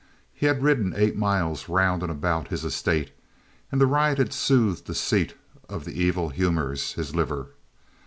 He had ridden eight miles round and about his estate, and the ride had soothed that seat of the evil humours his liver.